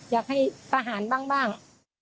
อยากให้ประหารบ้าง